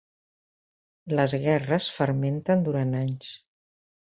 Les gerres fermenten durant anys.